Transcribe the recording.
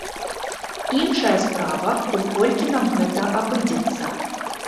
Іншая справа, у колькі нам гэта абыдзецца.